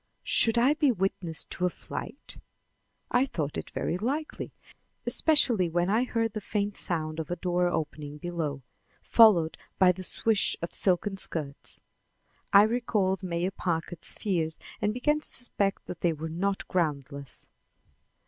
Should I be witness to a flight? I thought it very likely, especially when I heard the faint sound of a door opening below, followed by the swish of silken skirts. I recalled Mayor Packard's fears and began to suspect that they were not groundless.